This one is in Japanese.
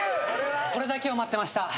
これだけを待ってました。